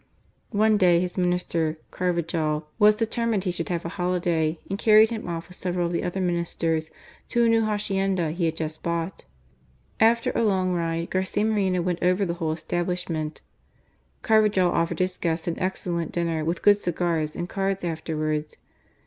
One day his Minister, Carvajal, was determined he should have a holiday, and carried him off with several of the other Ministers, to a new hacienda he had just bought. After a long ride, Garcia Moreno afio GARCIA MORENO. went over the whole establishment. Carv ajal offered his guests an excellent dinner, with good cigars and cards afterwards.